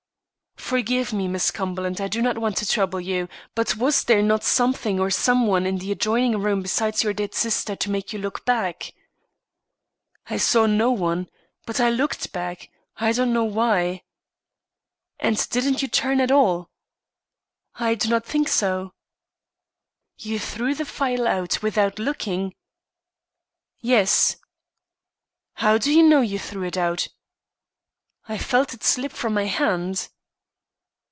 "Forgive me, Miss Cumberland, I do not want to trouble you, but was there not something or some one in the adjoining room besides your dead sister, to make you look back?" "I saw no one. But I looked back I do not know why." "And didn't you turn at all?" "I do not think so." "You threw the phial out without looking?" "Yes." "How do you know you threw it out?" "I felt it slip from my hand."